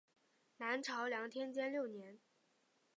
南朝梁天监六年。